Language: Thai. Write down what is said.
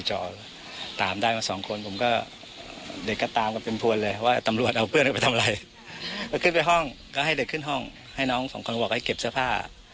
ให้น้อง๒คนหวักให้เก็บสภาพ